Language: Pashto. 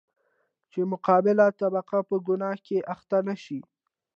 چـې مـقابله طبـقه پـه ګنـاه کـې اخـتـه نـشي.